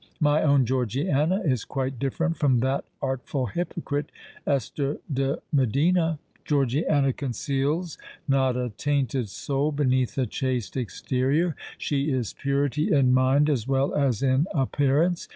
My own Georgiana is quite different from that artful hypocrite, Esther de Medina. Georgiana conceals not a tainted soul beneath a chaste exterior: she is purity in mind as well as in appearance.